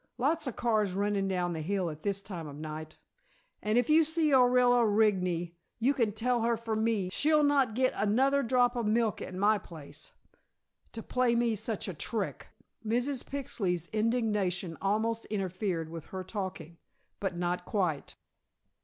Lots of cars running down the hill at this time of night. And if you see Orilla Rigney you can tell her for me, she'll not get another drop of milk at my place. To play me such a trick!" Mrs. Pixley's indignation almost interfered with her talking, but not quite.